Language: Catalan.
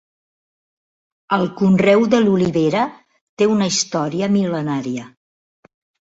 El conreu de l'olivera té una història mil·lenària.